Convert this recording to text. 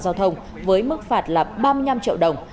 giao thông với mức phạt là ba mươi năm triệu đồng